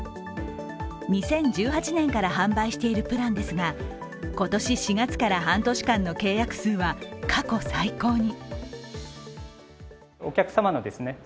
２０１８年から販売しているプランですが今年４月から半年間の契約数は、過去最高に。